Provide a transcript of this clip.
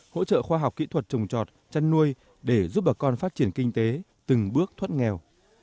hỗ trợ khoa học kỹ thuật trồng trọt chăn nuôi để giúp bà con phát triển kinh tế từng bước thoát nghèo